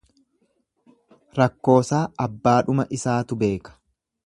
Rakkoosaa abbaadhuma isaatu beeka.